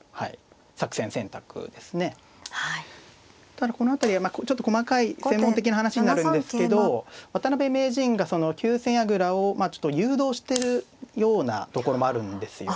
ただこの辺りはちょっと細かい専門的な話になるんですけど渡辺名人が急戦矢倉をちょっと誘導してるようなところもあるんですよ。